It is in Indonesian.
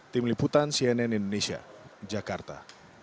tim liputan cnn indonesia jakarta